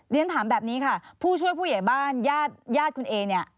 เรียนถามแบบนี้ค่ะผู้ช่วยผู้ใหญ่บ้านญาติญาติคุณเอเนี่ย